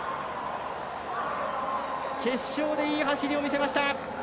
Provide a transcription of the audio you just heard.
決勝でいい走りを見せました。